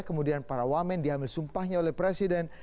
kemudian para wamen diambil sumpahnya oleh presiden